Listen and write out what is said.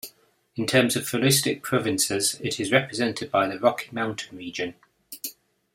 In terms of floristic provinces, it is represented by the Rocky Mountain region.